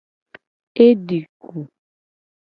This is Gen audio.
E di ku.